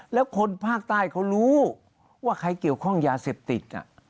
แล้วคนภาคใต้เขารู้ว่าใครเกี่ยวข้องยาเสพติด